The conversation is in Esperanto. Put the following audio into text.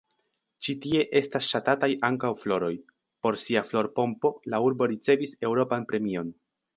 Ĉi tie estas ŝatataj ankaŭ floroj: por sia florpompo la urbo ricevis Eŭropan Premion.